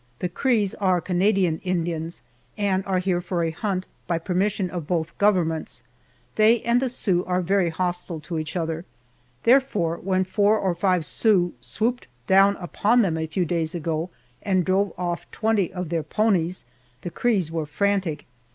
The Crees are Canadian Indians and are here for a hunt, by permission of both governments. They and the Sioux are very hostile to each other; therefore when four or five Sioux swooped down upon them a few days ago and drove off twenty of their ponies, the Crees were frantic.